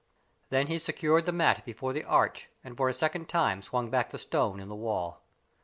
Then he secured the mat before the arch and for a second time swung back the stone in the wall.